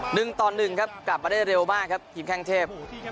หนึ่งต่อหนึ่งครับกลับมาได้เร็วมากครับทีมแข้งเทพ